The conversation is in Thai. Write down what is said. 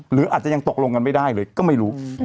หรืออาจจะยังตกลงกันไม่ได้เลยก็ไม่รู้